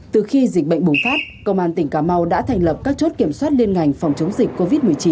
từ khi dịch bệnh bùng phát công an tỉnh cà mau đã thành lập các chốt kiểm soát liên ngành phòng chống dịch covid một mươi chín